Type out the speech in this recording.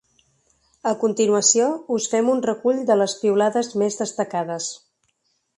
A continuació us fem un recull de les piulades més destacades.